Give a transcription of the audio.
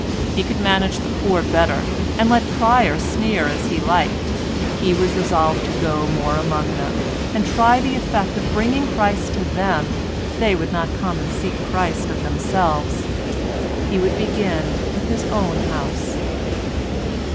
He could manage the poor better, and, let Pryer sneer as he liked, he was resolved to go more among them, and try the effect of bringing Christ to them if they would not come and seek Christ of themselves. He would begin with his own house.